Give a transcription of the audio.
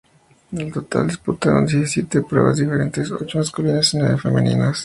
En total se disputaron diecisiete pruebas diferentes, ocho masculinas y nueve femeninas.